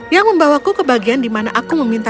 yang membawaku ke bagian di mana aku memiliki kebenaran